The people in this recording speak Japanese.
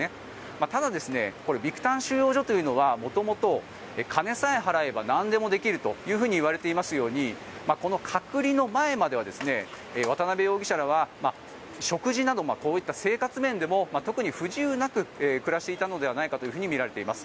ただ、ビクタン収容所というのは元々、金さえ払えばなんでもできるといわれていますようにこの隔離の前までは渡邉容疑者らは食事などこういった生活面でも特に不自由なく暮らしていたのではないかとみられています。